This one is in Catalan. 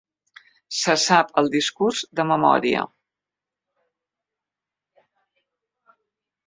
Se sap el discurs de memòria.